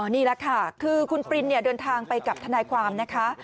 นี่แหละค่ะคือคุณปรินเดินทางไปกับทนายความนะคะ